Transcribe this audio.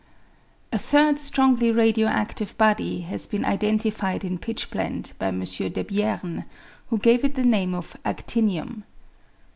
A third strongly radio adive body has been identified in pitchblende by M. Debierne, who gave it the name of actinium.